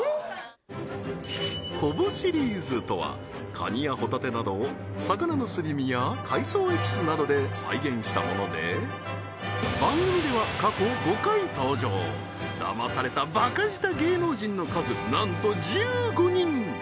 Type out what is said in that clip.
ほぼシリーズとはカニやホタテなどを魚のすり身や海藻エキスなどで再現したもので番組では過去５回登場騙されたバカ舌芸能人の数なんと１５人